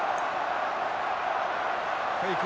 フェイク。